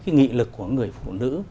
cái nghị lực của người phụ nữ